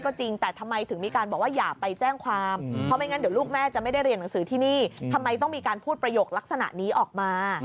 ขอบคุณครับ